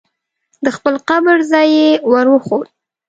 د خپل قبر ځای یې ور وښود.